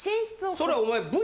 それお前。